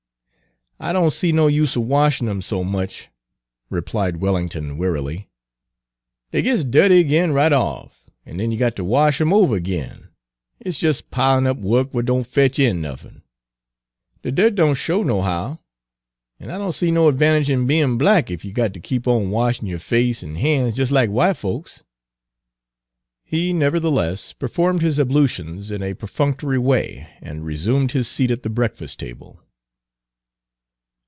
"I don' see no use 'n washin' 'em so much," replied Wellington wearily. "Dey gits dirty ag'in right off, an' den you got ter wash 'em ovuh ag'in; it 's jes' pilin' up wuk what don' fetch in nuffin'. De dirt don' show nohow, 'n' I don' see no advantage in bein' black, ef you got to keep on washin' yo' face 'n' han's jes' lack w'ite folks." He Page 210 nevertheless performed his ablutions in a perfunctory way, and resumed his seat at the breakfast table.